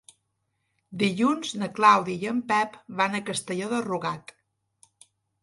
Dilluns na Clàudia i en Pep van a Castelló de Rugat.